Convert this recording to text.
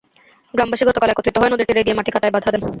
গ্রামবাসী গতকাল একত্র হয়ে নদীর তীরে গিয়ে মাটি কাটায় বাধা দেন।